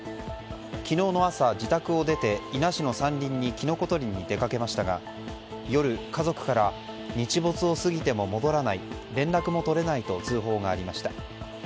昨日の朝、自宅を出て伊那市の山林にキノコ採りに出かけましたが夜、家族から日没を過ぎても戻らない連絡も取れないと通報がありました。